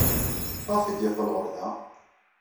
Maɣef ay d-yeqqel ɣer da?